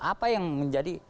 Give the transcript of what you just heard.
apa yang menjadi